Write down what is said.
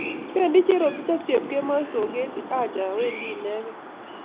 Pendi Chetotich ak Chepkemoi soget ii?"Acha wendi inekey"